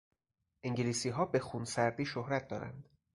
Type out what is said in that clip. انگلیسیها به خونسردی شهرت دارند.